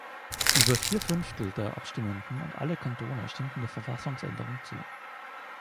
Über vier Fünftel der Abstimmenden und alle Kantone stimmten der Verfassungsänderung zu.